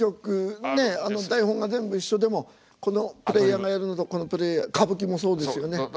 ねっ台本が全部一緒でもこのプレーヤーがやるのとこのプレーヤー歌舞伎もそうですよね。